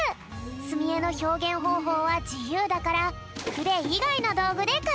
すみえのひょうげんほうほうはじゆうだからふでいがいのどうぐでかいてもいいんだって。